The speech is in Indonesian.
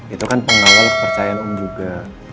itu kan pengawal percayaan om juga